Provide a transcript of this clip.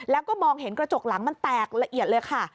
แล้วก็มองเห็นกระจกหลังมันแตกละเอียดเลยค่ะ